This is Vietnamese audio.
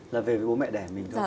là về với bố mẹ đẻ mình thôi